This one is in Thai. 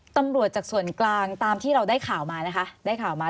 ตำรวจจากส่วนกลางตามที่เราได้ข่าวมา